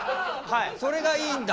それがいいんだ！？